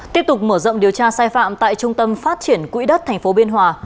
tiếp tục mở rộng điều tra sai phạm tại trung tâm phát triển quỹ đất tp biên hòa